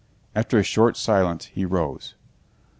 After a short silence he rose.